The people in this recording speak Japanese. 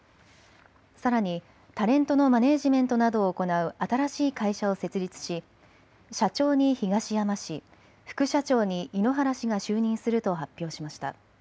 さらにタレントのマネージメントなどを行う新しい会社を設立し社長に東山氏、副社長に井ノ原氏が就任すると発表しました。